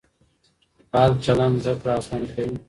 فعال چلند زده کړه اسانه کوي.